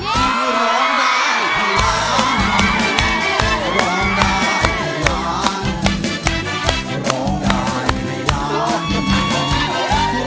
ร้องได้ให้ล้าน